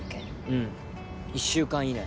うん１週間以内